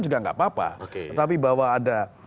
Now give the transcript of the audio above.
juga tidak apa apa tetapi bahwa ada